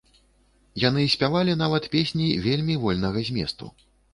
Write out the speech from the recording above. Яны спявалі нават песні вельмі вольнага зместу.